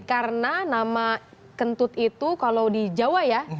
karena nama kentut itu kalau di jawa ya